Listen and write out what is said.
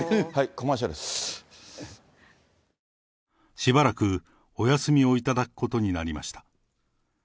しばらくお休みを頂くことになりました。